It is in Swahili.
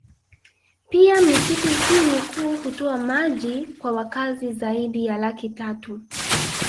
Pia misitu hii mikuu hutoa maji kwa wakazi zaidi ya laki tatu